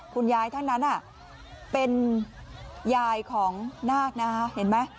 คุณยายท่านนั้นอ่ะเป็นยายของนาคนะฮะเห็นมั้ย